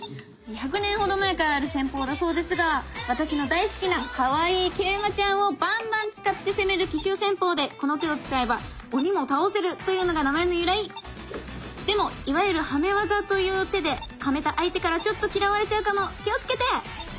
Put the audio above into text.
１００年ほど前からある戦法だそうですが私の大好きなかわいい桂馬ちゃんをバンバン使って攻める奇襲戦法でこの手を使えば「鬼も倒せる！」というのが名前の由来！でもいわゆる「ハメ技」という手でハメた相手からちょっと嫌われちゃうかも⁉気をつけて！